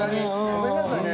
ごめんなさいね。